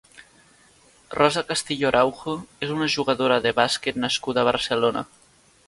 Rosa Castillo Araujo és una jugadora de bàsquet nascuda a Barcelona.